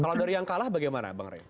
kalau dari yang kalah bagaimana bang rey